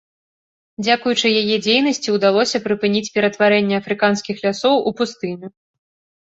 Дзякуючы яе дзейнасці ўдалося прыпыніць ператварэнне афрыканскіх лясоў у пустыню.